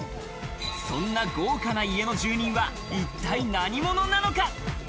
そんな豪華な家の住人は一体何者なのか？